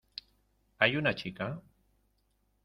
¿ hay una chica?